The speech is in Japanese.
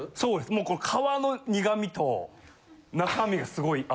もうこれ皮の苦味と中身がすごい合うんですよ。